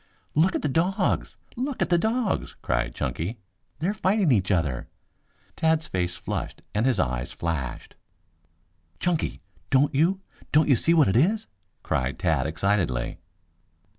"Look at the dogs! Look at the dogs!" cried Chunky. "They're fighting each other." Tad's face flushed and his eyes flashed. "Chunky, don't you don't you see what it is?" cried Tad excitedly.